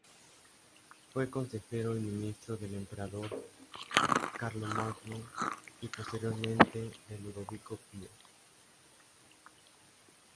Fue consejero y ministro del emperador Carlomagno y posteriormente de Ludovico Pío.